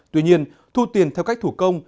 tuy nhiên thu tiền theo cách thủ công